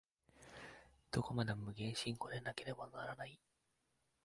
どこまでも無限進行でなければならない。